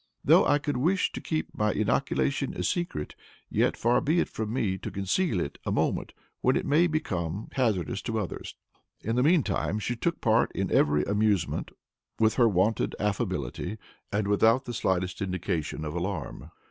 Though I could wish to keep my inoculation a secret, yet far be it from me to conceal it a moment when it may become hazardous to others." In the mean time she took part in every amusement with her wonted affability and without the slightest indication of alarm.